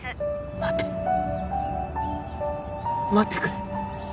待て待ってくれ